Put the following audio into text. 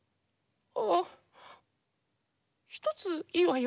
あぁひとついいわよ。